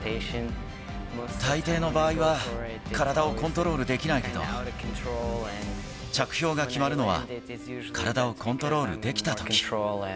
大抵の場合は、体をコントロールできないけど、着氷が決まるのは体をコントロールできたとき。